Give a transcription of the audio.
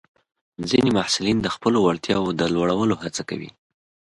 ځینې محصلین د خپلو وړتیاوو د لوړولو هڅه کوي.